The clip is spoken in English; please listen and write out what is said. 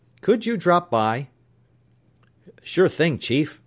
Could you drop by?" "Sure thing, Chief.